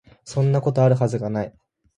そんなこと、有る筈が無い